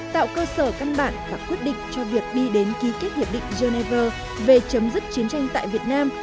tạo cơ sở căn bản và quyết định cho việc đi đến ký kết hiệp định geneva về chấm dứt chiến tranh tại việt nam